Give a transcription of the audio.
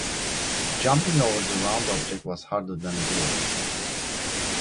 Jumping over the round object was harder than it looked.